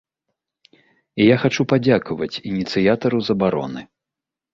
І я хачу падзякаваць ініцыятару забароны.